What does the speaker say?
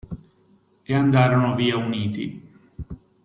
E andarono via uniti.